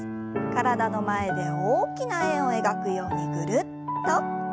体の前で大きな円を描くようにぐるっと。